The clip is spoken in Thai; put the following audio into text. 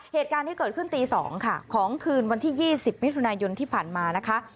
เหตุการณ์ที่เกิดขึ้นตี๒ค่ะของคืนวันที่๒๐มิถุนายนที่ผ่านมานะคะ